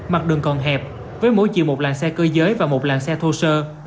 mặt đường còn hẹp với mỗi chiều một làng xe cơ giới và một làng xe thô sơ